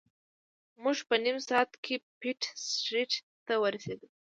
موږ په نیم ساعت کې پیټ سټریټ ته ورسیدو.